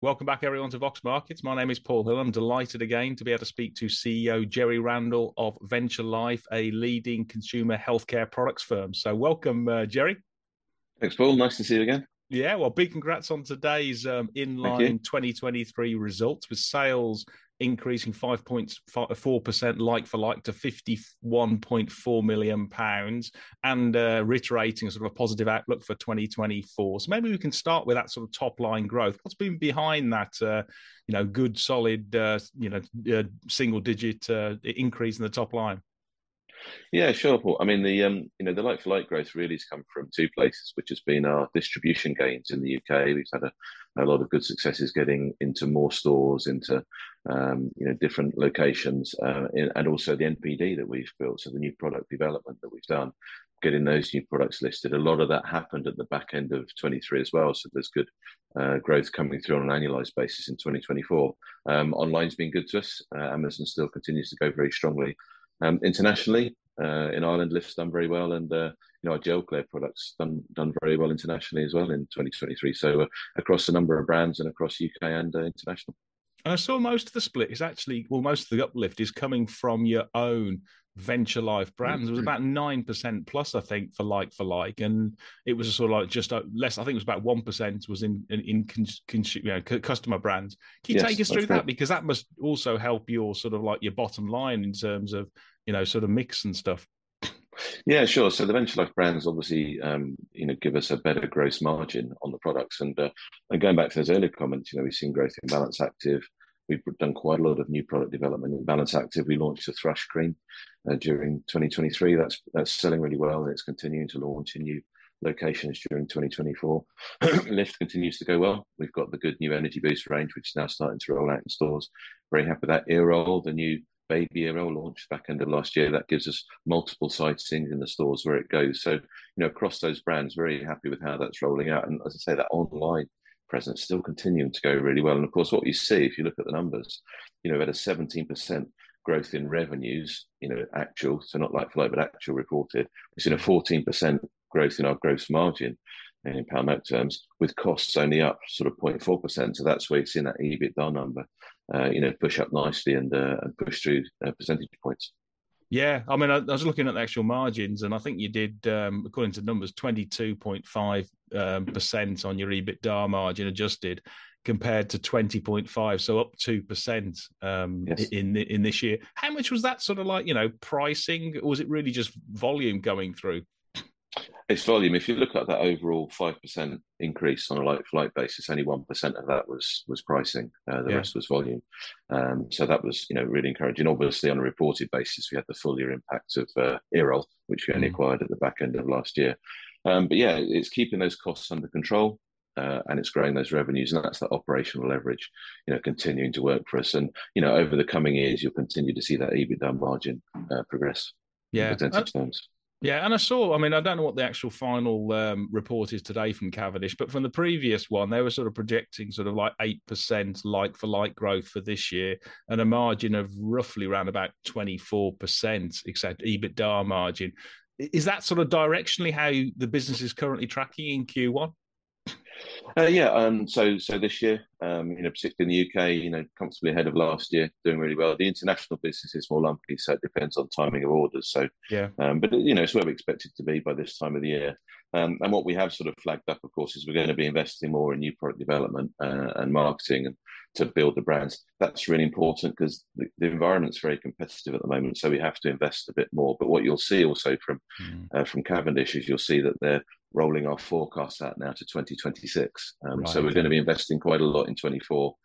Welcome back, everyone, to Vox Markets. My name is Paul Hill. I'm delighted again to be able to speak to CEO Jerry Randall of Venture Life, a leading consumer healthcare products firm. So welcome, Jerry. Thanks, Paul. Nice to see you again. Yeah, well, big congrats on today's, in-line- Thank you... 2023 results, with sales increasing 5.5%-4%, like for like, to 51.4 million pounds, and reiterating sort of a positive outlook for 2024s. Maybe we can start with that sort of top-line growth. What's been behind that, you know, good, solid, you know, single digit, increase in the top line? Yeah, sure, Paul. I mean, you know, the like for like growth really has come from two places, which has been our distribution gains in the U.K. We've had a lot of good successes getting into more stores, into different locations, and also the NPD that we've built, so the new product development that we've done, getting those new products listed. A lot of that happened at the back end of 2023 as well, so there's good growth coming through on an annualized basis in 2024. Online's been good to us. Amazon still continues to grow very strongly. Internationally, in Ireland, Lyft's done very well, and you know, our Gelclair products done very well internationally as well in 2023. So across a number of brands and across U.K. and international. I saw most of the split is actually... Well, most of the uplift is coming from your own Venture Life brands. It was about 9% plus, I think, for like for like, and it was sort of, like, just less, I think it was about 1% was in customer brands. Can you take us through that? Because that must also help your sort of, like, your bottom line in terms of, you know, sort of mix and stuff. Yeah, sure. So the Venture Life brands obviously, you know, give us a better gross margin on the products. And going back to those earlier comments, you know, we've seen growth in Balance Activ. We've done quite a lot of new product development in Balance Activ. We launched a thrush cream during 2023. That's selling really well, and it's continuing to launch in new locations during 2024. Lyft continues to go well. We've got the good new Energy Boost range, which is now starting to roll out in stores. Very happy with that. Earol, the new baby Earol launched back end of last year, that gives us multiple sightings in the stores where it goes. So, you know, across those brands, very happy with how that's rolling out. And as I say, that online presence still continuing to go really well. And of course, what you see, if you look at the numbers, you know, we had a 17% growth in revenues, you know, actual, so not like for like, but actual reported. We've seen a 14% growth in our gross margin in pound note terms, with costs only up sort of 0.4%. So that's where you've seen that EBITDA number, you know, push up nicely and, and push through, percentage points. Yeah. I mean, I was looking at the actual margins, and I think you did, according to the numbers, 22.5% on your EBITDA margin, adjusted, compared to 20.5, so up 2%, in this year. How much was that sort of like, you know, pricing, or was it really just volume going through? It's volume. If you look at the overall 5% increase on a like for like basis, only 1% of that was pricing the rest was volume. So that was, you know, really encouraging. Obviously, on a reported basis, we had the full year impact of Earol, which we only acquired at the back end of last year. But yeah, it's keeping those costs under control, and it's growing those revenues, and that's the operational leverage, you know, continuing to work for us. You know, over the coming years, you'll continue to see that EBITDA margin progress in percentage terms. Yeah, and I saw, I mean, I don't know what the actual final report is today from Cavendish, but from the previous one, they were sort of projecting sort of like 8% like for like growth for this year, and a margin of roughly around about 24%, expected EBITDA margin. Is that sort of directionally how the business is currently tracking in Q1? Yeah. So this year, you know, particularly in the U.K., you know, comfortably ahead of last year, doing really well. The international business is more lumpy, so it depends on the timing of orders, so but, you know, it's where we expect it to be by this time of the year. And what we have sort of flagged up, of course, is we're gonna be investing more in new product development, and marketing, and to build the brands. That's really important, 'cause the environment's very competitive at the moment, so we have to invest a bit more. But what you'll see also from Cavendish is you'll see that they're rolling our forecast out now to 2026. So we're gonna be investing quite a lot in 2024.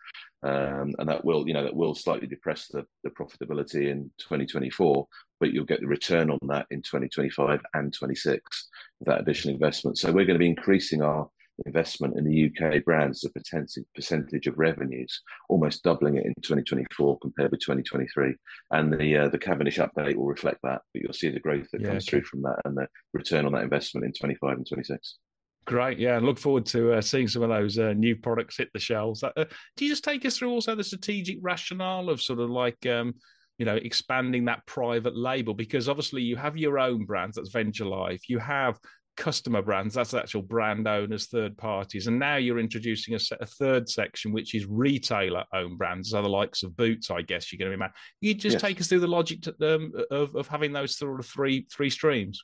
And that will, you know, that will slightly depress the profitability in 2024, but you'll get the return on that in 2025 and 2026, that additional investment. So we're gonna be increasing our investment in the U.K. brands as a potential percentage of revenues, almost doubling it in 2024 compared with 2023. And the Cavendish update will reflect that, but you'll see the growth that comes through from that, and the return on that investment in 2025 and 2026. Great. Yeah, look forward to seeing some of those new products hit the shelves. Can you just take us through also the strategic rationale of sort of like, you know, expanding that private label? Because obviously you have your own brands, that's Venture Life. You have customer brands, that's the actual brand owners, third parties, and now you're introducing a third section, which is retailer-owned brands. So the likes of Boots, I guess, you're gonna be, you just take us through the logic to of having those sort of three streams?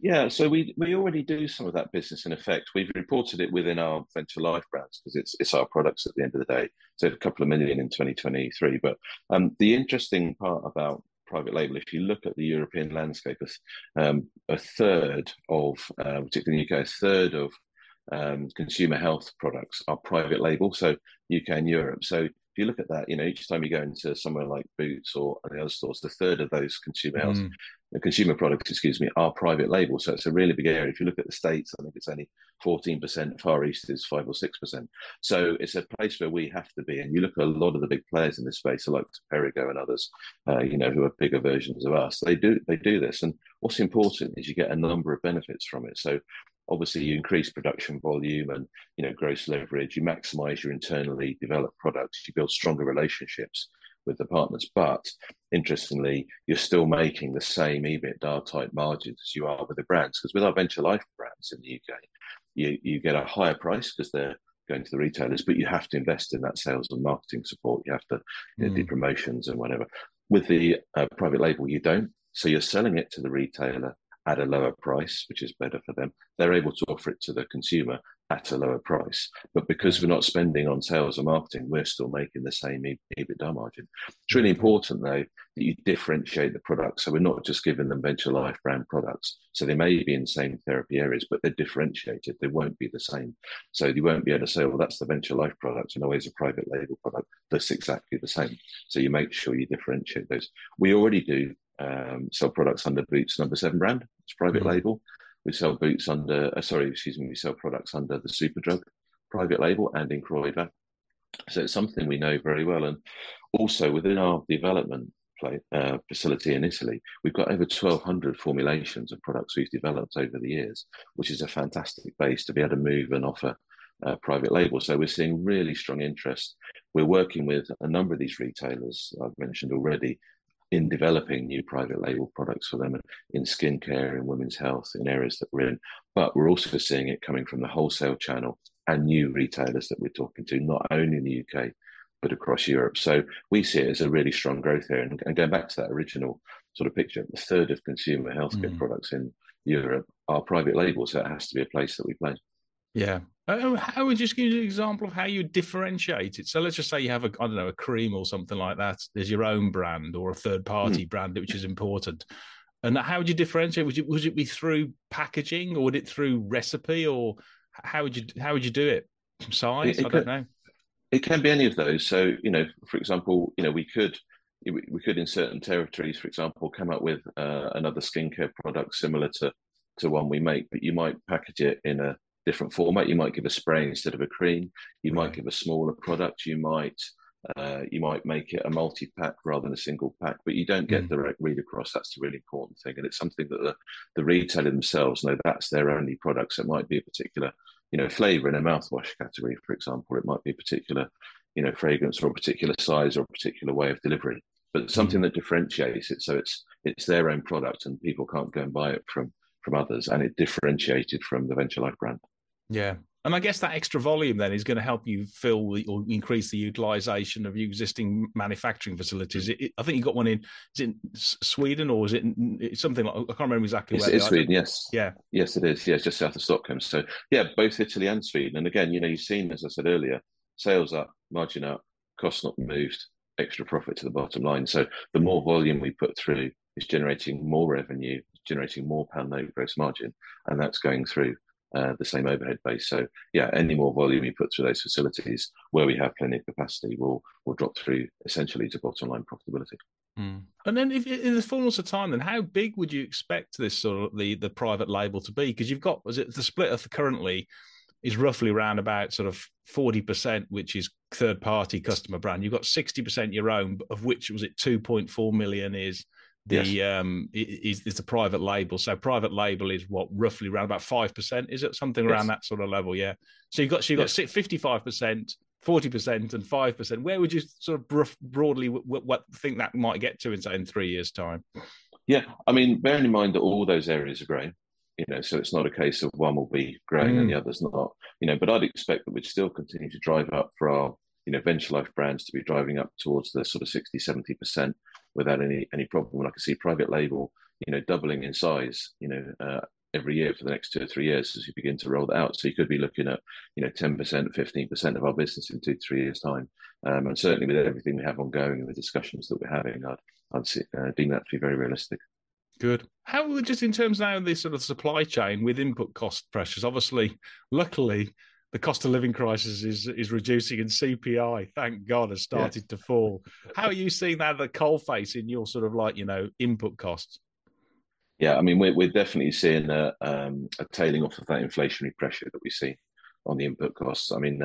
Yeah. So we already do some of that business in effect. We've reported it within our Venture Life brands, 'cause it's our products at the end of the day. So a couple of million GBP in 2023. But the interesting part about private label, if you look at the European landscape, as a third of, particularly in the U.K., a third of consumer health products are private label, so U.K. and Europe. So if you look at that, you know, each time you go into somewhere like Boots or other stores, a third of those consumer health consumer products, excuse me, are private label. So it's a really big area. If you look at the States, I think it's only 14%, Far East is 5%-6%. So it's a place where we have to be, and you look at a lot of the big players in this space, like Perrigo and others, you know, who are bigger versions of us, they do, they do this. And what's important is you get a number of benefits from it. So obviously, you increase production volume and, you know, gross leverage. You maximize your internally developed products. You build stronger relationships with the partners. But interestingly, you're still making the same EBITDA type margins as you are with the brands. Cause with our Venture Life brands in the U.K., you get a higher price 'cause they're going to the retailers, but you have to invest in that sales and marketing support. You have to do promotions and whatever. With the private label, you don't. So you're selling it to the retailer at a lower price, which is better for them. They're able to offer it to the consumer at a lower price. But because we're not spending on sales and marketing, we're still making the same EBITDA margin. It's really important, though, that you differentiate the products, so we're not just giving them Venture Life brand products. So they may be in the same therapy areas, but they're differentiated. They won't be the same. So you won't be able to say, "Well, that's the Venture Life product," and always a private label product that's exactly the same. So you make sure you differentiate those. We already do sell products under Boots No7 brand. It's private label. We sell products under the Superdrug private label and in Kroger, so it's something we know very well. And also, within our development facility in Italy, we've got over 1,200 formulations of products we've developed over the years, which is a fantastic base to be able to move and offer private label. So we're seeing really strong interest. We're working with a number of these retailers I've mentioned already in developing new private label products for them in skincare, in women's health, in areas that we're in. But we're also seeing it coming from the wholesale channel and new retailers that we're talking to, not only in the U.K. but across Europe. So we see it as a really strong growth area. And going back to that original sort of picture, a third of consumer healthcare products in Europe are Private Label, so it has to be a place that we play. Yeah. Just give me an example of how you differentiate it. So let's just say you have a, I don't know, a cream or something like that as your own brand or a third-party brand. which is important, and how would you differentiate it? Would it be through packaging, or would it be through recipe, or how would you, how would you do it? Size? I don't know. It can be any of those. So, you know, for example, you know, we could, in certain territories, for example, come up with another skincare product similar to one we make, but you might package it in a different format. You might give a spray instead of a cream. You might give a smaller product. You might make it a multi-pack rather than a single pack. But you don't get the direct read-across. That's the really important thing, and it's something that the retailer themselves know that's their only product, so it might be a particular, you know, flavor in a mouthwash category, for example. It might be a particular, you know, fragrance or a particular size or a particular way of delivering it. But something that differentiates it, so it's their own product and people can't go and buy it from others, and it's differentiated from the Venture Life brand. Yeah. And I guess that extra volume then is gonna help you fill the, or increase the utilization of your existing manufacturing facilities. I think you got one in. Is it in Sweden, or is it in... something like, I can't remember exactly where it is. It's in Sweden, yes. Yes, it is. Yeah, it's just south of Stockholm. So yeah, both Italy and Sweden. And again, you know, you've seen, as I said earlier, sales are margin up, costs not moved, extra profit to the bottom line. So the more volume we put through, it's generating more revenue, generating more pound over gross margin, and that's going through, the same overhead base. So yeah, any more volume you put through those facilities where we have plenty of capacity will drop through essentially to bottom-line profitability. And then if, in the fullness of time, then how big would you expect this sort of, the private label to be? 'Cause you've got... Was it, the split of currently is roughly around about sort of 40%, which is third-party customer brand. You've got 60% your own, but of which was it 2.4 million is the private label. So private label is, what, roughly around about 5%? Is it something around that sort of level, yeah. So you've got so you've got 55%, 40%, and 5%. Where would you sort of broadly what think that might get to in, say, in three years' time? Yeah. I mean, bearing in mind that all those areas are growing, you know, so it's not a case of one will be growing and the other's not, you know. But I'd expect that we'd still continue to drive up for our, you know, Venture Life brands to be driving up towards the sort of 60%-70% without any, any problem. Well, I can see private label, you know, doubling in size, you know, every year for the next 2-3 years as we begin to roll it out. So you could be looking at, you know, 10% or 15% of our business in 2-3 years' time. And certainly with everything we have ongoing and the discussions that we're having, I'd, I'd see, deem that to be very realistic. Good. How will it... just in terms now of the sort of supply chain with input cost pressures, obviously, luckily, the cost of living crisis is reducing, and CPI, thank God has started to fall. How are you seeing that at the coalface in your sort of like, you know, input costs? Yeah, I mean, we're definitely seeing a tailing off of that inflationary pressure that we see on the input costs. I mean,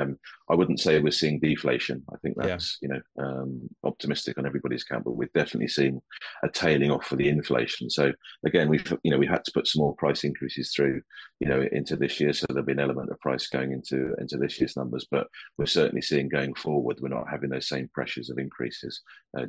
I wouldn't say we're seeing deflation. I think that's, you know, optimistic on everybody's count, but we're definitely seeing a tailing off for the inflation. So again, we've put... You know, we had to put some more price increases through, you know, into this year, so there'll be an element of price going into, into this year's numbers. But we're certainly seeing going forward, we're not having those same pressures of increases,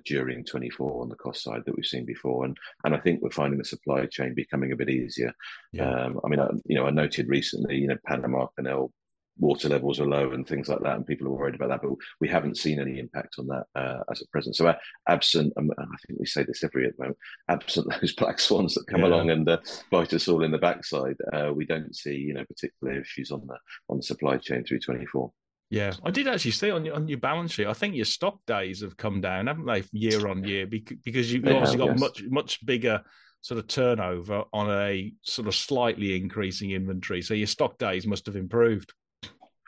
during 2024 on the cost side that we've seen before. And, and I think we're finding the supply chain becoming a bit easier. I mean, you know, I noted recently, you know, Panama Canal water levels were low and things like that, and people were worried about that, but we haven't seen any impact on that, as at present. So, absent, and I think we say this every moment, absent those black swans that come along and bite us all in the backside, we don't see, you know, particular issues on the supply chain through 2024. Yeah. I did actually see on your, on your balance sheet, I think your stock days have come down, haven't they, year on year? Be- They have, yes.... because you've obviously got much, much bigger sort of turnover on a sort of slightly increasing inventory, so your stock days must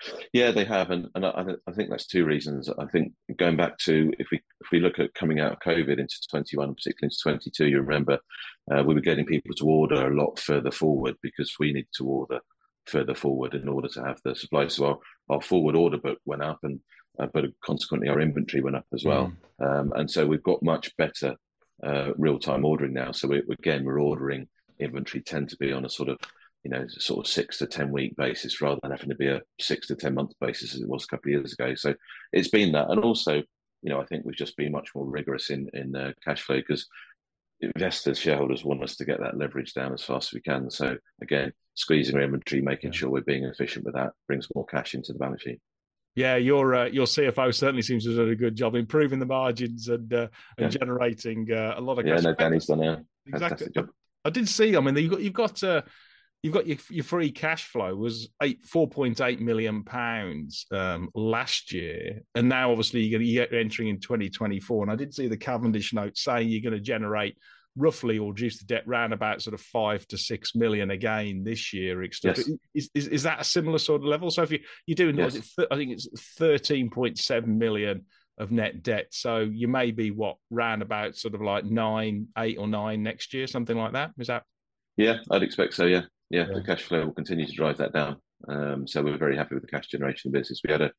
have improved. Yeah, they have, and I think that's two reasons. I think going back to if we look at coming out of COVID into 2021, particularly into 2022, you remember, we were getting people to order a lot further forward because we needed to order further forward in order to have the supplies. So our forward order book went up, and but consequently, our inventory went up as well. And so we've got much better real-time ordering now. So again, we're ordering inventory tend to be on a sort of, you know, sort of 6-10-week basis rather than having to be a 6-10-month basis as it was a couple of years ago. So it's been that. And also, you know, I think we've just been much more rigorous in cash flow 'cause investors, shareholders want us to get that leverage down as fast as we can. So again, squeezing our inventory making sure we're being efficient with that brings more cash into the balance sheet. Yeah, your, your CFO certainly seems to have done a good job improving the margins and generating a lot of cash. Yeah, no, Danny's done a- Exactly... fantastic job. I did see, I mean, you've got your free cash flow was 8.4 million pounds last year, and now obviously, you're gonna enter 2024, and I did see the Cavendish note saying you're gonna generate roughly or reduce the debt round about sort of 5-6 million again this year, et cetera. Yes. Is that a similar sort of level? So if you're doing- Yes... I think it's 13.7 million of net debt, so you may be, what, round about sort of like 9 million, 8 million or 9 million next year, something like that? Is that- Yeah, I'd expect so, yeah. Yeah the cash flow will continue to drive that down. So we're very happy with the cash generation business. We had a,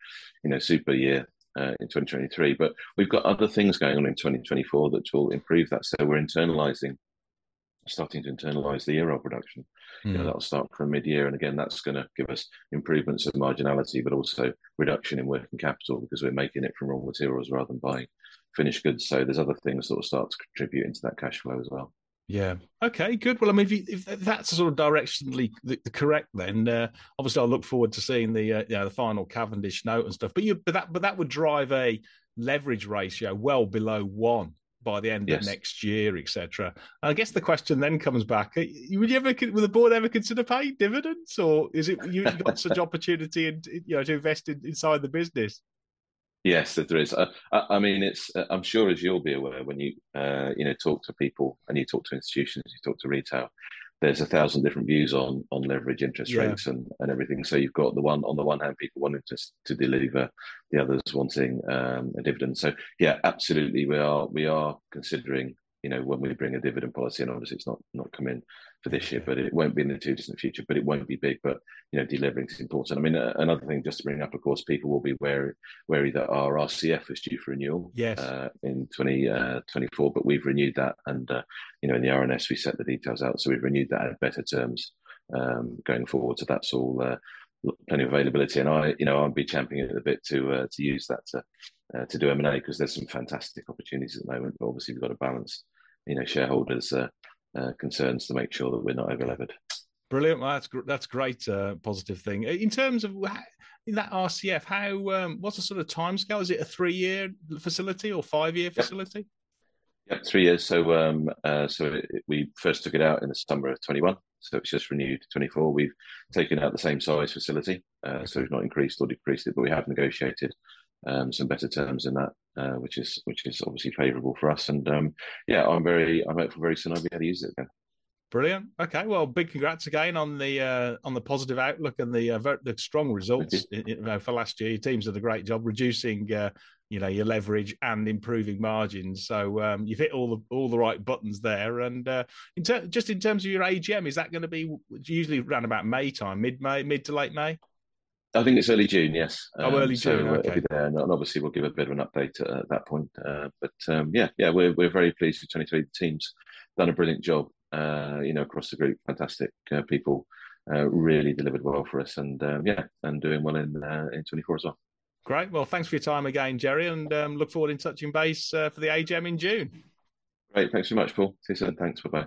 you know, super year, in 2023, but we've got other things going on in 2024 that will improve that. So we're internalizing, starting to internalize the Euro production. You know, that'll start from mid-year, and again, that's gonna give us improvements of marginality, but also reduction in working capital, because we're making it from raw materials rather than buying finished goods. So there's other things that will start to contribute into that cash flow as well. Yeah. Okay, good. Well, I mean, if that's sort of directionally the correct, then obviously I'll look forward to seeing the you know, the final Cavendish note and stuff. But that would drive a leverage ratio well below one by the end of next year, et cetera. I guess the question then comes back, would the board ever consider paying dividends, or is it... you've got such opportunity and, you know, to invest in inside the business? Yes, there is. I mean, it's... I'm sure as you'll be aware, when you, you know, talk to people, and you talk to institutions, you talk to retail, there's a thousand different views on, on leverage interest rates and everything. So you've got on the one hand, people wanting to delever, the others wanting a dividend. So yeah, absolutely, we are considering, you know, when we bring a dividend policy, and obviously it's not coming for this year, but it won't be in the two years in the future, but it won't be big, but, you know, delivering is important. I mean, another thing just to bring up, of course, people will be wary that our RCF is due for renewal- In 2024, but we've renewed that, and, you know, in the RNS, we set the details out, so we've renewed that at better terms, going forward. So that's all, plenty of availability. And I, you know, I'll be championing it a bit to, to use that to, to do M&A, 'cause there's some fantastic opportunities at the moment, but obviously we've got to balance, you know, shareholders', concerns to make sure that we're not over-levered. Brilliant. Well, that's great, a positive thing. In terms of how... In that RCF, how, what's the sort of timescale? Is it a three-year facility or five-year facility? Yep, three years. So, we first took it out in the summer of 2021, so it's just renewed 2024. We've taken out the same size facility, so it's not increased or decreased it, but we have negotiated some better terms in that, which is obviously favorable for us. Yeah, I hope very soon I'll be able to use it, yeah. Brilliant. Okay, well, big congrats again on the positive outlook and the strong results. Thank you... for last year. Your teams did a great job reducing, you know, your leverage and improving margins. So, you've hit all the, all the right buttons there. And, just in terms of your AGM, is that gonna be... Usually around about May time, mid-May, mid to late May? I think it's early June, yes. Oh, early June. Okay. So it'll be there, and obviously we'll give a bit of an update at that point. But, yeah, yeah, we're very pleased with 2023. The team's done a brilliant job, you know, across the group. Fantastic, people, really delivered well for us, and, yeah, and doing well in 2024 as well. Great. Well, thanks for your time again, Jerry, and look forward to touching base for the AGM in June. Great. Thanks so much, Paul. See you soon. Thanks. Bye-bye.